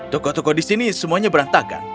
tokoh tokoh di sini semuanya berantakan